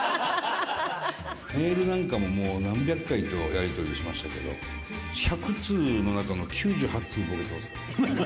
メールなんかももう何百回ものやり取りしましたけど、１００通の中の９８通ボケてます。